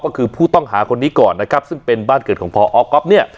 ก็คือผู้ต้องหาคนนี้ก่อนนะครับซึ่งเป็นบ้านเกิดของพอก๊อฟเนี่ย